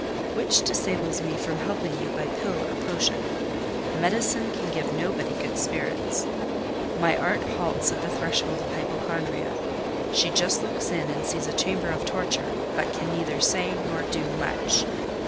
"Which disables me from helping you by pill or potion. Medicine can give nobody good spirits. My art halts at the threshold of Hypochondria: she just looks in and sees a chamber of torture, but can neither say nor do much.